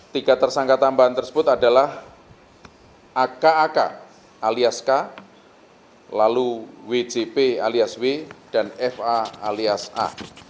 tiga tersangka tambahan tersebut adalah aka ak alias k lalu wjp alias w dan fa alias a